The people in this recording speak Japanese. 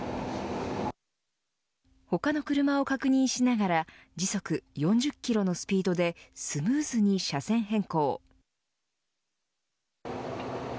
他の車を確認しながら時速４０キロのスピードでスムーズに車線変更。